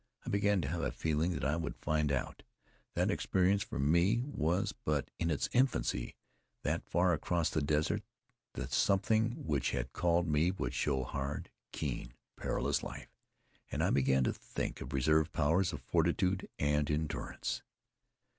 I began to have a feeling that I would find out; that experience for me was but in its infancy; that far across the desert the something which had called me would show hard, keen, perilous life. And I began to think of reserve powers of fortitude and endurance.